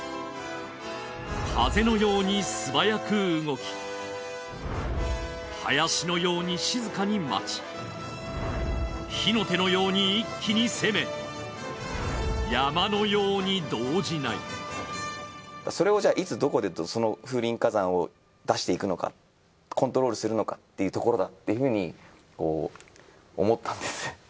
風のように素早く動き林のように静かに待ち火の手のように一気に攻め山のように動じないそれをじゃあいつどこでその風林火山を出していくのかコントロールするところだっていうふうに思ったんですね。